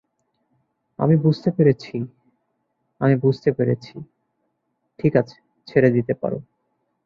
আমি বুঝতে পেরেছি আমি বুঝতে পেরেছি - ঠিক আছে, ছেড়ে দিতে পারো।